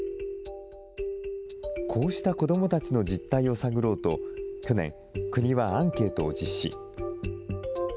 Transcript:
こうした子どもたちの実態を探ろうと、去年、国はアンケートを実施。